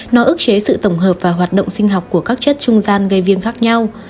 nó ước chế sự tổng hợp và hoạt động sinh học của các chất trung gian gây viêm khác nhau